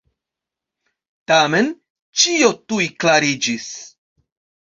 Tamen, ĉio tuj klariĝis.